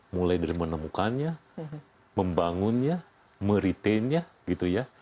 mulai dari menemukannya membangunnya meretainnya gitu ya